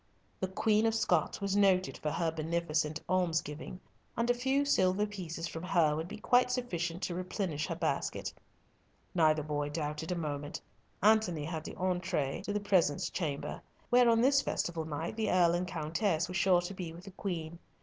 The Queen of Scots was noted for her beneficent almsgiving, and a few silver pieces from her would be quite sufficient to replenish her basket. Neither boy doubted a moment. Antony had the entree to the presence chamber, where on this festival night the Earl and Countess were sure to be with the Queen.